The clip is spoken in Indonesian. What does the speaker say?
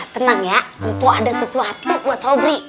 tenang ya ampun ada sesuatu buat sobrin